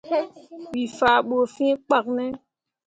We faa bu fĩĩ kpak ne?